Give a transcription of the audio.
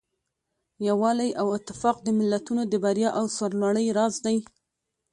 یووالی او اتفاق د ملتونو د بریا او سرلوړۍ راز دی.